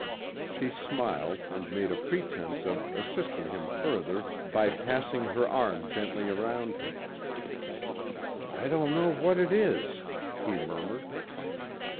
She smiled and made a pretense of assisting him further by passing her arm gently around him. "I don't know what it is," he murmured.